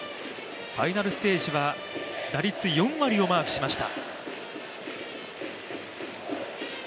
ファイナルステージは打率４割をマークしました。